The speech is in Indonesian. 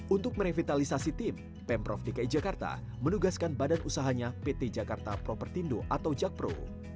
untuk merevitalisasi tim pemprov dki jakarta menugaskan badan usahanya pt jakarta propertindo atau jakpro